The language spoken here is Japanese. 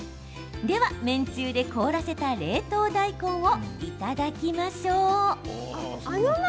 では、麺つゆで凍らせた冷凍大根をいただきましょう。